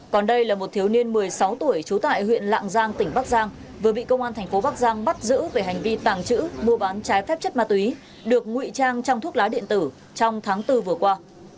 còn đây là một thiếu niên một mươi sáu tuổi trú tại huyện lạng giang tỉnh bắc giang vừa bị công an thành phố bắc giang bắt giữ về hành vi tàng trữ mua bán trái phép chất ma túy được ngụy trang trong thuốc lá điện tử trong tháng bốn vừa qua